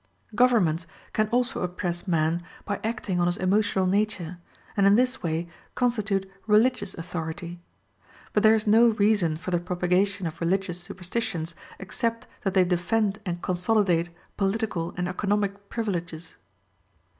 Governments can also oppress man by acting on his emotional nature, and in this way constitute religious authority. But there is no reason for the propagation of religious superstitions except that they defend and consolidate political and economic privileges.